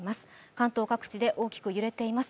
関東各地で大きく揺れています。